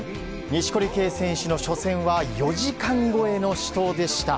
錦織圭選手の初戦は４時間超えの死闘でした。